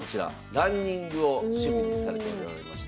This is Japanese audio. ランニングを趣味にされておりまして。